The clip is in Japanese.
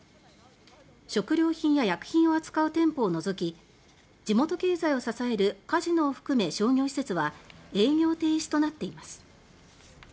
食料品や薬品を扱う店舗を除き地元経済を支えるカジノを含め商業施設は営業停止となっています。